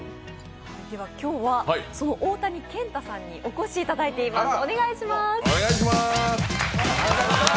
今日はその大谷健太さんにお越しいただいています。